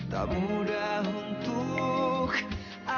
tak mudah untuk aku lepaskan